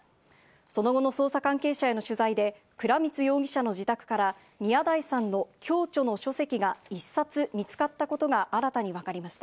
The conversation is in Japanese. その後の捜査関係者への取材で倉光容疑者の自宅から宮台さんの共著の書籍が１冊見つかったことが新たに分かりました。